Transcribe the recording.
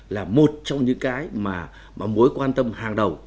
là một trong những cái mà mối quan tâm hàng đầu